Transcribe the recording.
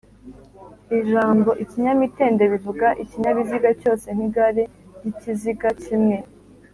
ijambo’’ikinyamitende’’bivuga ikinyabiziga cyose, nk’igare ry’ikiziga kimwe